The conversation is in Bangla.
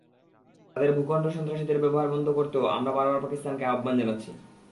তাদের ভূখণ্ড সন্ত্রাসীদের ব্যবহার বন্ধ করতেও আমরা বারবার পাকিস্তানকে আহ্বান জানাচ্ছি।